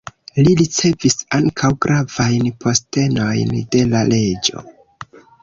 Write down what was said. Li ricevis ankaŭ gravajn postenojn de la reĝo.